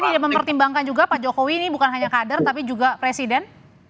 tapi dia mempertimbangkan juga pak jokowi ini bukan hanya kader tapi juga presiden